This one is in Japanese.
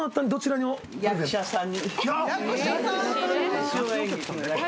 役者さん？